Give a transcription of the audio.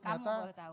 kamu baru tahu